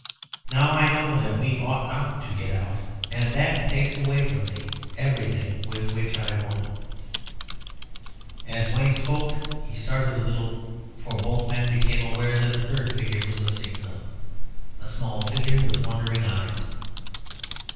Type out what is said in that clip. Now I know that we ought not to get out; and that takes away from me everything with which I won." As Wayne spoke he started a little, for both men became aware that a third figure was listening to them a small figure with wondering eyes.